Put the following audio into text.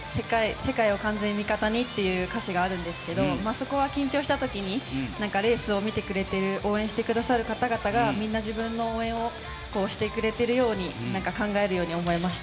世界を完全に味方にっていう歌詞があるんですけど、緊張した時に、レースを見てくれている応援してくださる方々がみんな、自分を応援してくれているように考えるように思いました。